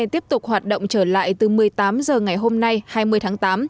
tiếp tục hoạt động trở lại từ một mươi tám h ngày hôm nay hai mươi tháng tám